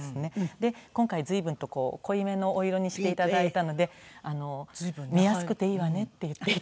で今回随分と濃いめのお色にして頂いたので「見やすくていいわね」って言って頂いています。